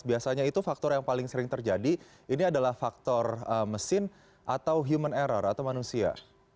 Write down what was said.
biasanya itu faktor yang paling sering terjadi ini adalah faktor mesin atau human error atau manusia